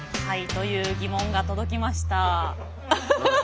はいというギモンが届きました。